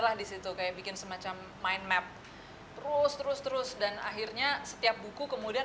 lah disitu kayak bikin semacam mind map terus terus terus dan akhirnya setiap buku kemudian